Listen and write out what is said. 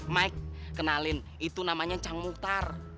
mike kenalin itu namanya cang muktar